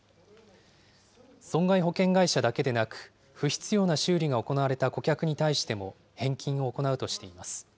損害保険会社だけでなく、不必要な修理が行われた顧客に対しても返金を行うとしています。